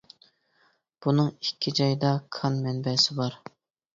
بۇنىڭ ئىككى جايدا كان مەنبەسى بار.